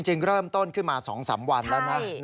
จริงเริ่มต้นขึ้นมา๒๓วันแล้วนะ